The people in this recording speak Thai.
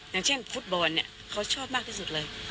อย่างเช่นฟุตบอลเนี่ยเขาชอบมากที่สุดเลย